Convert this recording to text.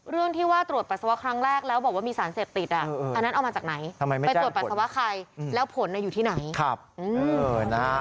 เรื่องที่ว่าตรวจปราสาวะครั้งแรกแล้วบอกว่ามีสารเสร็จติด